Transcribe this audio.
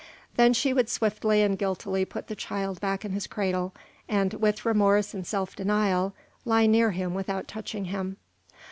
Then she would swiftly and guiltily put the child back in his cradle, and, with remorse and self denial, lie near him without touching him.